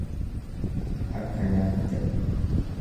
Akka nyaattu ta'i.